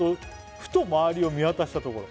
「ふと周りを見渡したところ」